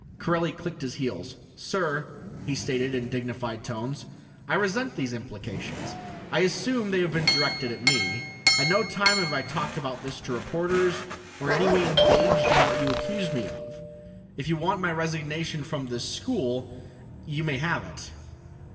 Corelli clicked his heels. "Sir," he stated in dignified tones, "I resent these implications. I assume they have been directed at me. At no time have I talked about this to reporters, or in any way engaged in what you accuse me of. If you want my resignation from this school, you may have it."